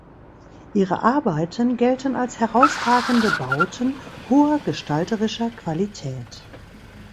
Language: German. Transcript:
Ihre Arbeiten gelten als herausragende Bauten hoher gestalterischer Qualität.